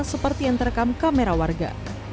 seperti yang terekam kamera warga